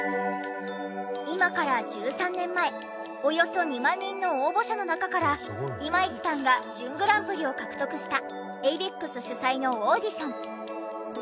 今から１３年前およそ２万人の応募者の中から今市さんが準グランプリを獲得したａｖｅｘ主催のオーディション。